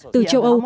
từ châu âu